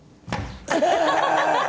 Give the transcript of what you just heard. ハハハハ。